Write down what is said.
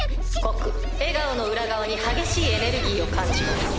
告笑顔の裏側に激しいエネルギーを感じます。